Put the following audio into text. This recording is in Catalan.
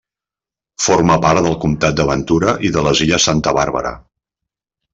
Forma part del comtat de Ventura i de les illes Santa Bàrbara.